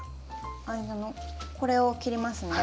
間のこれを切りますね。